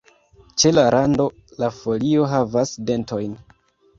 Ĉe la rando la folio havas dentojn.